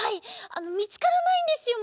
あのみつからないんですよ